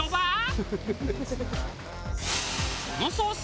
このソース